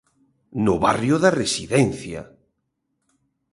¡No barrio da Residencia!